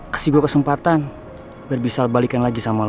kasih gue kesempatan biar bisa balikin lagi sama lo